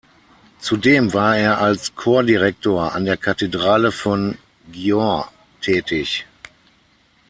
Zudem war er als Chordirektor an der Kathedrale von Győr tätig.